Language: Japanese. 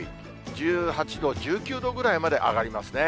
１８度、１９度ぐらいまで上がりますね。